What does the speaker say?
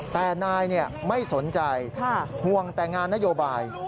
แต่นายไม่สนใจห่วงแต่งานนโยบาย